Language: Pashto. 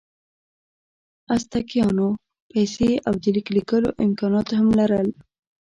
ازتکیانو پیسې او د لیک لیکلو امکانات هم لرل.